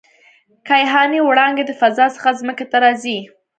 کیهاني وړانګې د فضا څخه ځمکې ته راځي.